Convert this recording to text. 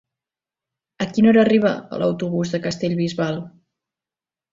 A quina hora arriba l'autobús de Castellbisbal?